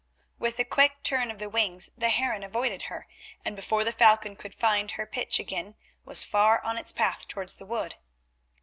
With a quick turn of the wings the heron avoided her, and before the falcon could find her pitch again, was far on its path towards the wood.